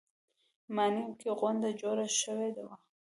ماڼۍ کې غونډه جوړه شوې وه.